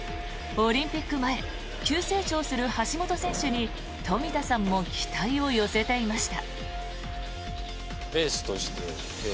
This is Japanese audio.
オリンピック前急成長する橋本選手に冨田さんも期待を寄せていました。